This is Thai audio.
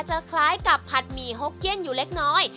จะคล้ายกับผัดหมี่ฮอกเก็นอยู่เล็กน้อย